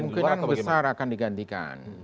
kemungkinan besar akan digantikan